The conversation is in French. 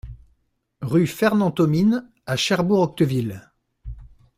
Rue Fernand Thomine à Cherbourg-Octeville